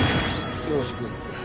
よろしく。